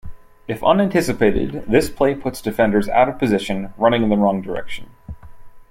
If unanticipated, this play puts defenders out of position, running in the wrong direction.